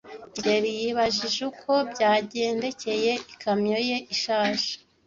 kigeli yibajije uko byagendekeye ikamyo ye ishaje.